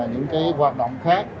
những cái hoạt động khác